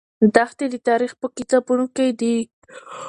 دښتې د تاریخ په کتابونو کې دي.